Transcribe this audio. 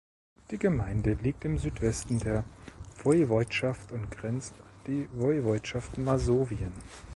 Die Gemeinde liegt im Südwesten der Woiwodschaft und grenzt an die Woiwodschaft Masowien.